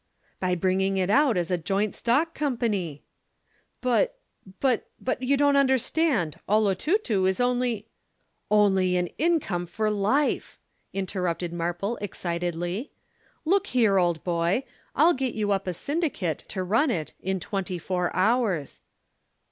"'"By bringing it out as a Joint Stock Company." "'"But but but you don't understand. 'Olotutu' is only " "'"Only an income for life," interrupted Marple excitedly. "Look here, old boy, I'll get you up a syndicate to run it in twenty four hours."